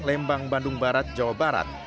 lembang bandung barat jawa barat